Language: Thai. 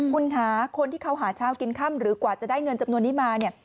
คุณคะคนที่เขาหาเช้ากินค่ำหรือกว่าจะได้เงินจำนวนนี้มาเนี่ย